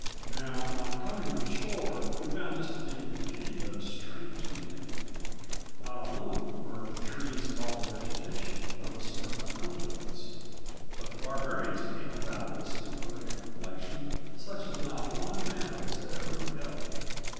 "Now, on coming on shore we found this to be indeed a strange land. Not alone were the trees and all vegetation of a sort unknown to us, but the barbarians who came about us were of a complexion such as not one man of us had ever before beheld.